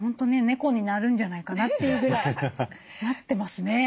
猫になるんじゃないかなというぐらいなってますね。